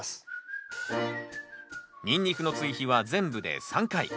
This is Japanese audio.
ニンニクの追肥は全部で３回。